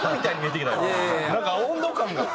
なんか温度感が。